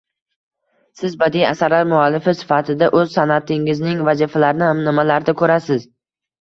Siz badiiy asarlar muallifi sifatida oʻz sanʼatiningizning vazifalarini nimalarda koʻrasiz